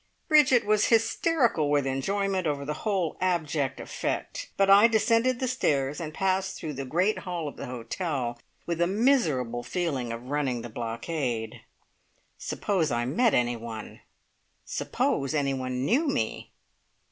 Bridget was hysterical with enjoyment over the whole abject effect, but I descended the stairs and passed through the great hall of the hotel with a miserable feeling of running the blockade. Suppose I met anyone! Suppose anyone knew me!